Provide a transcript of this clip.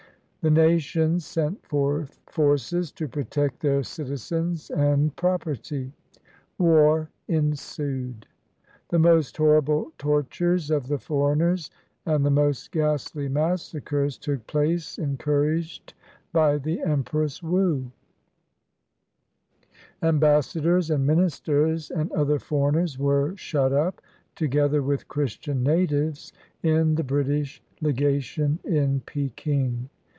The nations then sent forces to protect their citizens and property. War ensued. The most horrible tortures of the foreigners and the most ghastly massacres took place, en couraged by the Empress Wu. Ambassadors and ministers and other foreigners were shut up, together with Christian natives, in the British Legation in Peking.